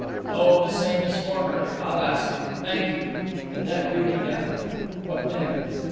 'O, the same as formerly. I'll ask him. Thank you. And that duty done ' 'What then?'